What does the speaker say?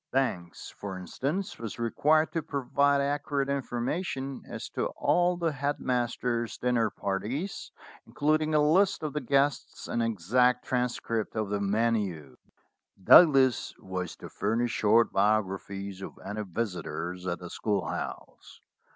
Banks, for instance, was required to provide accurate information as to all the head master's dinner parties, including a list of the guests and an exact transcript of the menu. Douglas was to furnish short biographies of any visitors at the schoolhouse.